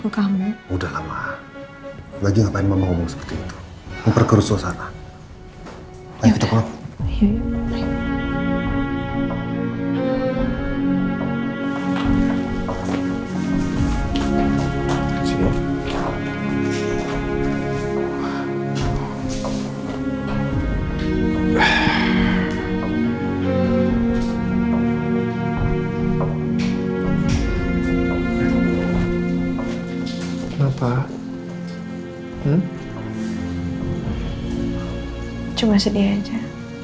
sampai jumpa di video selanjutnya